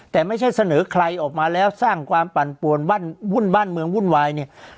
แต่ไม่ใช่เสนอใครออกมาแล้วสร้างความปั่นปวนวุ่นบ้านเมืองวุ่นวายเนี่ย